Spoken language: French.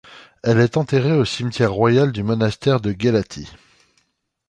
Elle est enterrée au cimetière royal du monastère de Ghélati.